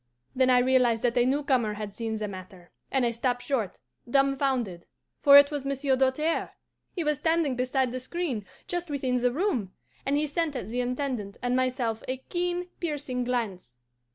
Then I realized that a new corner had seen the matter, and I stopped short, dumfounded for it was Monsieur Doltaire! He was standing beside the screen, just within the room, and he sent at the Intendant and myself a keen, piercing glance.